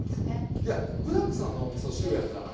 いや具だくさんのおみそ汁やからね